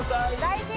大事！